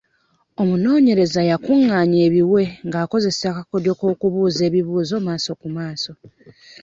Omunoonyereza yakungaanya ebiwe ng'akozesa akakodyo k'okubuuza ebibuuzo maaso ku maaso.